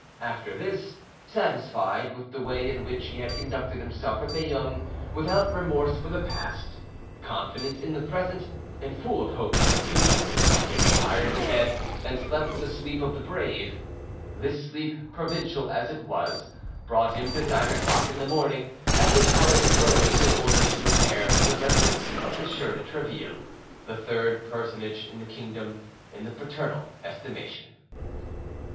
After this, satisfied with the way in which he had conducted himself at Meung, without remorse for the past, confident in the present, and full of hope for the future, he retired to bed and slept the sleep of the brave. This sleep, provincial as it was, brought him to nine o'clock in the morning; at which hour he rose, in order to repair to the residence of M. de Tréville, the third personage in the kingdom, in the paternal estimation.